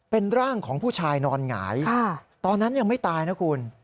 เป็นร่างของผู้ชายนอนหงายตอนนั้นยังไม่ตายนะคุณ